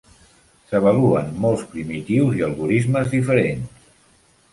S'avaluen molts primitius i algorismes diferents.